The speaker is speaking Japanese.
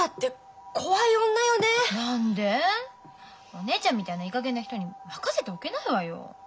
お姉ちゃんみたいないい加減な人に任せておけないわよ。